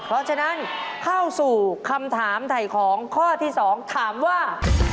เพราะฉะนั้นเข้าสู่คำถามถ่ายของข้อที่๒ถามว่า